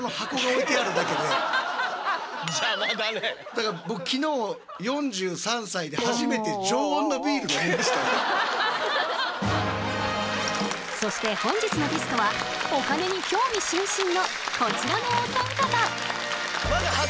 だから今そして本日のゲストはお金に興味津々のこちらのお三方。